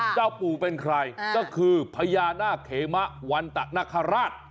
เจ้าปู่เป็นใครก็คือพญานาคเขมะวันตะนคราช